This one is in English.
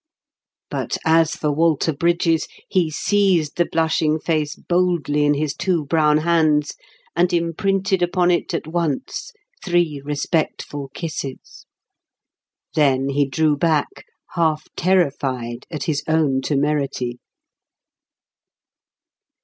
But as for Walter Brydges, he seized the blushing face boldly in his two brown hands, and imprinted upon it at once three respectful kisses. Then he drew back, half terrified at his own temerity.